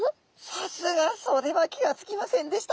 さすがそれは気が付きませんでした。